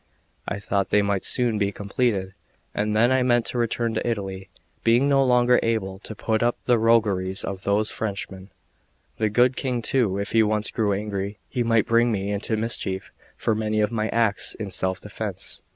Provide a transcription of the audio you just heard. I thought they might soon be completed, and then I meant to return to Italy, being no longer able to put up with the rogueries of those Frenchmen; the good King too, if he once grew angry, might bring me into mischief for many of my acts in self defence.